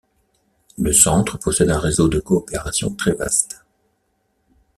Le centre possède un réseau de coopération très vaste.